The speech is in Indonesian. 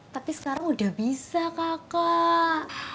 tapi sekarang udah bisa kakak